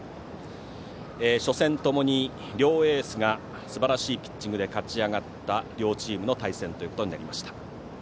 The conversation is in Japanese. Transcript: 初戦、ともに両エースがすばらしいピッチングで勝ち上がった両チームの対戦となりました。